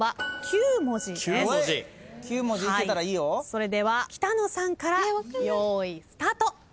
それでは北野さんから用意スタート。